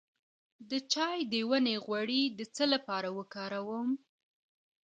د چای د ونې غوړي د څه لپاره وکاروم؟